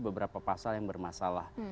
beberapa pasal yang bermasalah